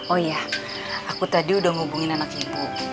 oh iya aku tadi udah hubungin anak ibu